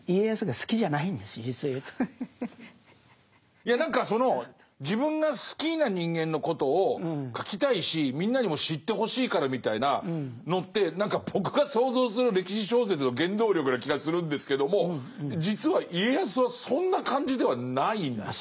いや何かその自分が好きな人間のことを書きたいしみんなにも知ってほしいからみたいなのって何か僕が想像する歴史小説の原動力な気がするんですけども実は家康はそんな感じではないんですね。